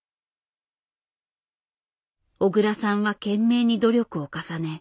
小倉さんは懸命に努力を重ね